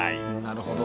なるほど。